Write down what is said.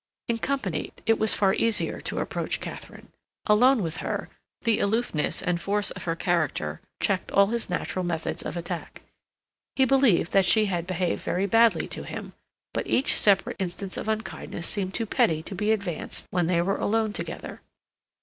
In company it was far easier to approach Katharine; alone with her, the aloofness and force of her character checked all his natural methods of attack. He believed that she had behaved very badly to him, but each separate instance of unkindness seemed too petty to be advanced when they were alone together.